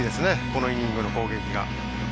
このイニングの攻撃が。